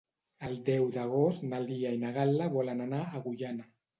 El deu d'agost na Lia i na Gal·la volen anar a Agullana.